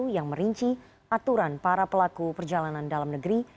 yang merinci aturan para pelaku perjalanan dalam negeri